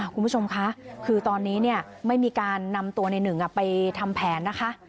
คุณผู้ชมคะคือตอนนี้ไม่มีการนำตัวในหนึ่งไปทำแผนนะคะ